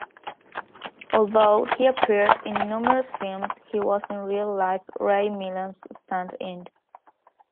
Although he appeared in numerous films, he was in real-life Ray Milland's stand-in.